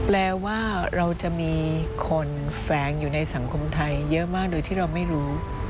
แปลว่าเราจะมีคนแฝงอยู่ในสังคมไทยเยอะมากโดยที่เราไม่รู้